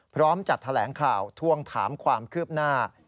พร้อมจัดแถลงข่าวทวงถามความคืบหน้า